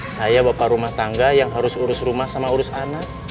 saya bapak rumah tangga yang harus urus rumah sama urus anak